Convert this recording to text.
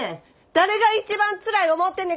誰が一番つらい思うてんねん！